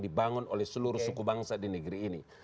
dibangun oleh seluruh suku bangsa di negeri ini